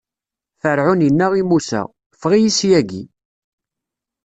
Ferɛun inna i Musa: Ffeɣ-iyi syagi!